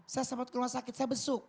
saya sempat ke rumah sakit saya besuk